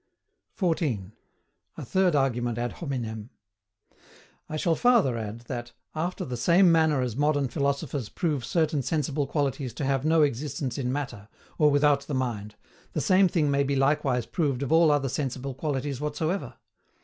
14. A THIRD ARGUMENT AD HOMINEM. I shall farther add, that, after the same manner as modern philosophers prove certain sensible qualities to have no existence in Matter, or without the mind, the same thing may be likewise proved of all other sensible qualities whatsoever.